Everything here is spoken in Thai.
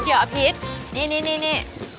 เดี๋ยวอภิษนี่